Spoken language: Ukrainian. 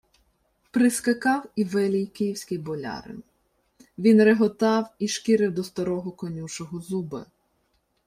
Прискакав і велій київський болярин. Він реготав і шкірив до старого конюшого зуби.